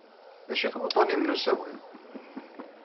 D acu-t wuḍḍun-nnem n usawal?